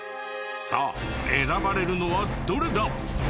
さあ選ばれるのはどれだ？